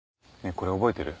これ覚えてる？